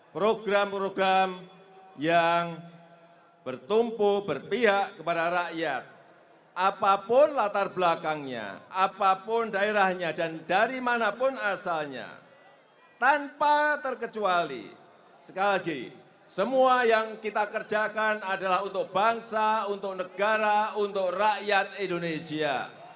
program program yang bertumpu berpihak kepada rakyat apapun latar belakangnya apapun daerahnya dan dari manapun asalnya tanpa terkecuali sekali lagi semua yang kita kerjakan adalah untuk bangsa untuk negara untuk rakyat indonesia